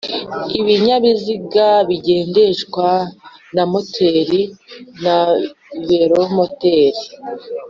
Ibinyabiziga bigendeshwa na moteri na velomoteri